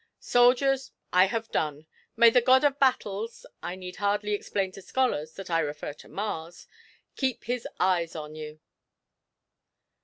Soldiers, I have done. May the God of Battles (I need hardly explain to scholars that I refer to Mars) keep his eye on you!'